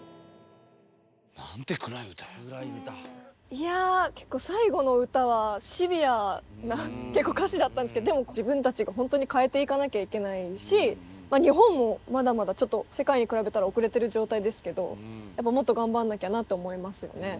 いや結構最後の歌はシビアな歌詞だったんですけどでも自分たちが本当に変えていかなきゃいけないし日本もまだまだちょっと世界に比べたら遅れてる状態ですけどやっぱりもっと頑張んなきゃなって思いますよね。